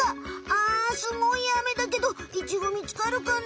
ああすごいあめだけどイチゴみつかるかな？